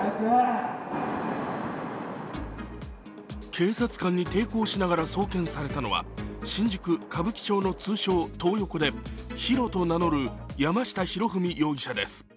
警察官に抵抗しながら送検されたのは新宿・歌舞伎町の通称、トー横で山下裕史です。